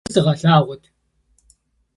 Vui bzegur sığelhağut.